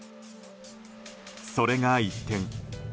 それが一転